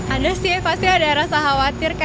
ada sih pasti ada rasa khawatir